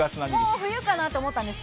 もう冬かな？と思ったんです